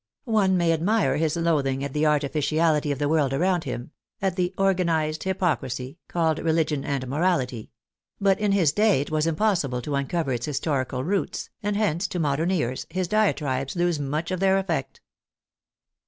One may admire his loathing at the artificiality of the world around him, at the " organ ized hypocrisy " called religion and morality ; but in his day it was impossible to uncover its historical roots, and hence, to modern ears, his diatribes lose much of their effect.